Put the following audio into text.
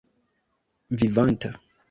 vivanta